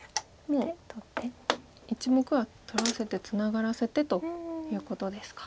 もう１目は取らせてツナがらせてということですか。